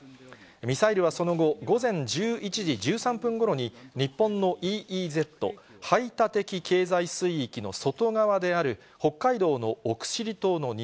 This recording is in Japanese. ミサイルはその後、午前１１時１３分ごろに、日本のＥＥＺ・排他的経済水域の外側である北海道の奥尻島の西